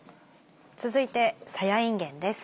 続いてさやいんげんです。